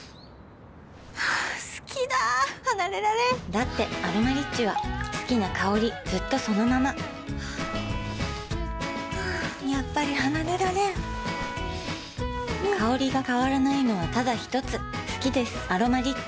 好きだ離れられんだって「アロマリッチ」は好きな香りずっとそのままやっぱり離れられん香りが変わらないのはただひとつ好きです「アロマリッチ」